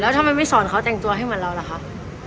ทำไมไม่สอนเขาแต่งตัวให้เหมือนเราล่ะครับ